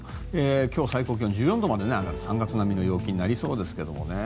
今日、最高気温１４度まで上がる３月並みの陽気になりそうですけどね。